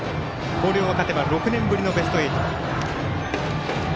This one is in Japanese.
広陵が勝てば６年ぶりのベスト８。